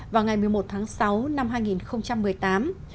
vào ngày một mươi một tháng sáu năm hai nghìn một mươi tám